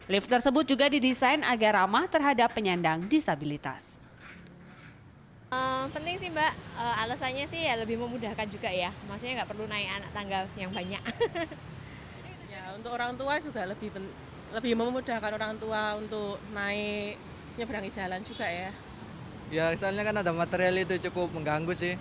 lift tersebut juga didesain agar ramah terhadap penyandang disabilitas